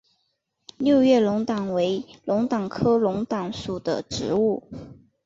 六叶龙胆为龙胆科龙胆属的植物。